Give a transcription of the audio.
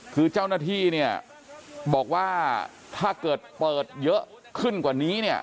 คือเจ้าหน้าที่เนี่ยบอกว่าถ้าเกิดเปิดเยอะขึ้นกว่านี้เนี่ย